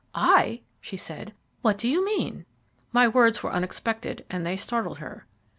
"I?" she said. "What do you mean?" My words were unexpected, and they startled her.